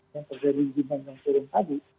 yang terjadi demand yang turun tadi